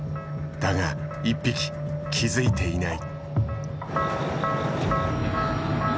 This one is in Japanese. だが１匹気付いていない。